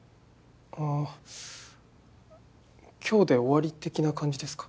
ああ今日で終わり的な感じですか？